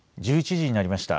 １１時になりました。